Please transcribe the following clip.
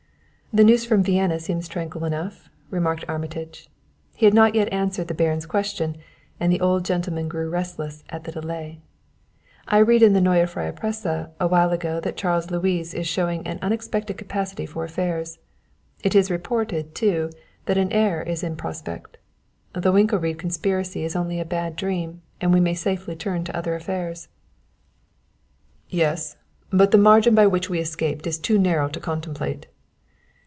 "The news from Vienna seems tranquil enough," remarked Armitage. He had not yet answered the Baron's question, and the old gentleman grew restless at the delay. "I read in the Neue Freie Presse a while ago that Charles Louis is showing an unexpected capacity for affairs. It is reported, too, that an heir is in prospect. The Winkelried conspiracy is only a bad dream and we may safely turn to other affairs." "Yes; but the margin by which we escaped is too narrow to contemplate."